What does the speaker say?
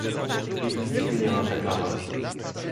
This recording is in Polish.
Ich nigdy nie ma w reklamach